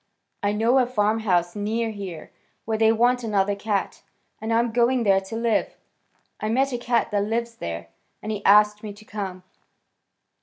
I know a farmhouse near here where they want another cat, and I'm going there to live. I met a cat that lives there, and he asked me to come."